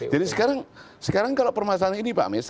jadi sekarang kalau permasalahan ini pak mis